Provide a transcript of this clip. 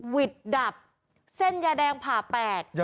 วิดดับเส้นยาแดงผ่าแปด